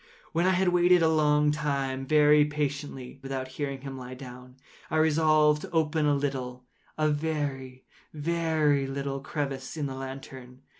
When I had waited a long time, very patiently, without hearing him lie down, I resolved to open a little—a very, very little crevice in the lantern.